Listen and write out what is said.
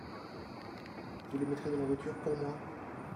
Vous le mettrez dans la voiture pour moi ?